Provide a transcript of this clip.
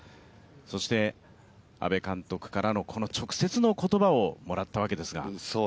そして阿部監督からの直接の言葉をもらったわけですが。